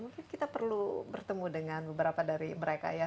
jadi kita perlu bertemu dengan beberapa dari mereka ya